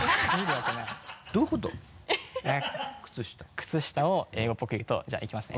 靴下を英語っぽく言うとじゃあいきますね。